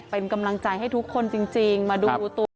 เป็นกำลังใจให้ทุกคนจริงมาดูตัว